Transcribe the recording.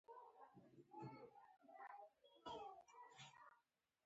له کړکۍ مې لوکسو ودانیو ته کتل.